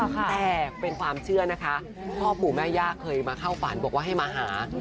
แต่เป็นความเชื่อนะคะพ่อปู่แม่ย่าเคยมาเข้าฝันบอกว่าให้มาหา